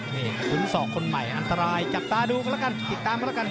นี่ขุนศอกคนใหม่อันตรายจับตาดูกันแล้วกันติดตามกันแล้วกัน